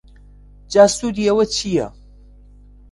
جا سوودی ئەوە چیە؟